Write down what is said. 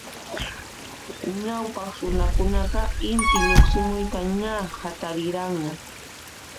Ñawpaq runakunaqa Inti lluqsimuyta ña hatariranña.